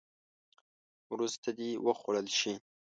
وروسته دې وخوړل شي.